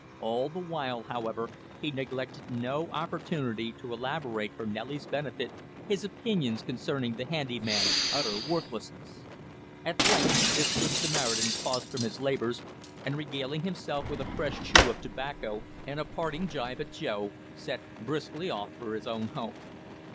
All the while, however, he neglected no opportunity to elaborate for Nellie's benefit his opinions concerning the handy man's utter worthlessness. At length this good Samaritan paused from his labors, and regaling himself with a fresh chew of tobacco and a parting gibe at Joe, set briskly off for his own home.